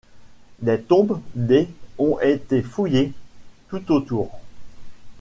Des tombes des ont été fouillées tout autour.